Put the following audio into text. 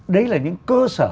đấy là những cơ sở